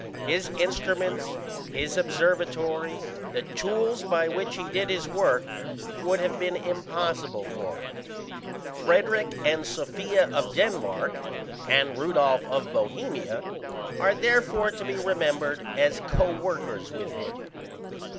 His instruments, his observatory the tools by which he did his work would have been impossible for him. Frederick and Sophia of Denmark, and Rudolph of Bohemia, are therefore to be remembered as co workers with him.